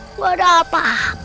enggak ada apa apa